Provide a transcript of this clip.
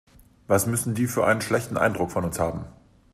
Was müssen die für einen schlechten Eindruck von uns haben.